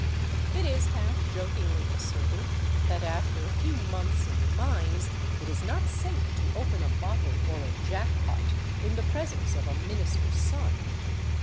It is half jokingly asserted that after a few months in the mines it is not safe to open a bottle or a " jack pot " in the presence of a min ister's son.